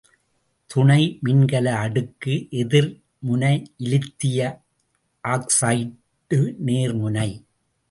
துணை மின்கல அடுக்கு எதிர்முனை இலித்திய ஆக்சைடு நேர்முனை.